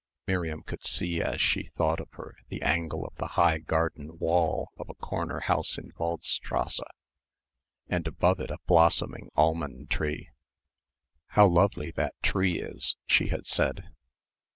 Miriam could see as she thought of her, the angle of the high garden wall of a corner house in Waldstrasse and above it a blossoming almond tree. "How lovely that tree is," she had said.